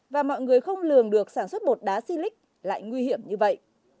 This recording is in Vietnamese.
và mọi người không lường được sản xuất bột đá xy lích lại nguy hiểm như vậy